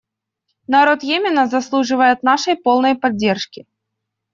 Народ Йемена заслуживает нашей полной поддержки.